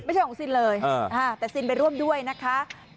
ไม่ใช่ของซินเลยแต่ซินไปร่วมด้วยนะคะ